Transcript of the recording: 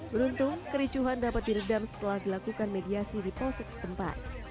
beruntung kericuhan dapat diredam setelah dilakukan mediasi di polsek setempat